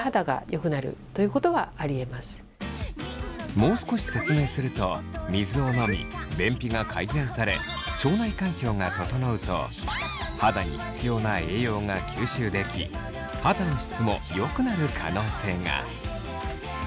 もう少し説明すると水を飲み便秘が改善され腸内環境が整うと肌に必要な栄養が吸収でき肌の質もよくなる可能性が。